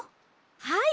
はい！